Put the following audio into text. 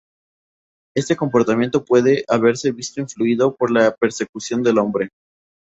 Este comportamiento puede haberse visto influido por la persecución del hombre.